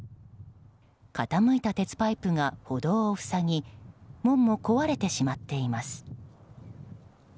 傾いた鉄パイプが歩道を塞ぎ門も壊れてしまっています。